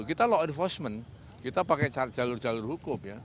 kita law enforcement kita pakai jalur jalur hukum ya